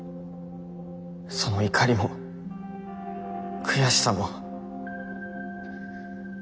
その怒りも悔しさも。